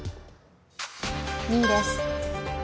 ２位です。